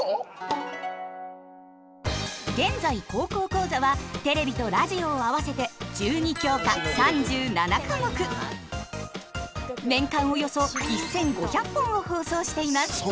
現在「高校講座」はテレビとラジオを合わせて１２教科３７科目年間およそ１，５００本を放送しています。